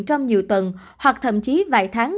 trong nhiều tuần hoặc thậm chí vài tháng